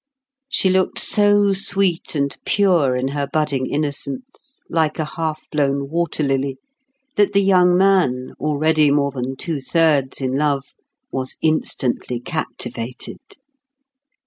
She looked so sweet and pure in her budding innocence, like a half blown water lily, that the young man, already more than two thirds in love, was instantly captivated.